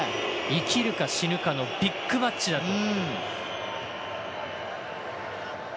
生きるか死ぬかのビッグマッチだと。